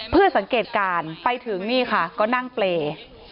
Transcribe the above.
เพื่อสังเกตการณ์ไปถึงนี่ค่ะก็นั่งเปรย์